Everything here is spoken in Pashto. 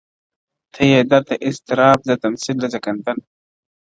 ته يې درد ته اضطراب زه تمثيل د زنکدن